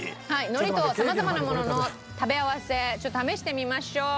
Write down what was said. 海苔と様々なものの食べ合わせちょっと試してみましょう。